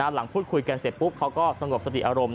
หลังพูดคุยกันเสร็จปุ๊บเขาก็สงบสติอารมณ์